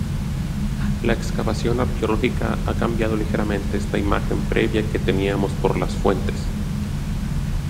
La excavación arqueológica ha cambiado ligeramente esta imagen previa que teníamos por las fuentes.